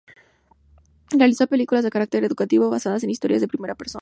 Realizó películas de carácter educativo, basadas en historias en primera persona.